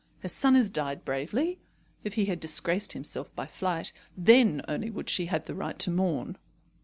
Her son has died bravely. If he had disgraced himself by flight, then only would she have the right to mourn."